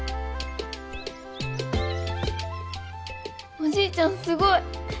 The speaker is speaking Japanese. おじいちゃんすごい。